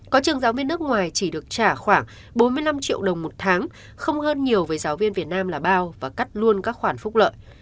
có trường giáo viên nước ngoài chỉ được trả khoảng bốn mươi năm triệu đồng một tháng không hơn nhiều với giáo viên việt nam là bao và cắt luôn các khoản phúc lợi